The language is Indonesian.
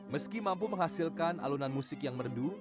meski mampu menghasilkan alunan musik yang merdu